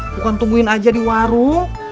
bukan tungguin aja di warung